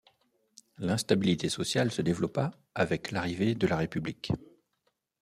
L'instabilité sociale se développa avec l'arrivée de la république.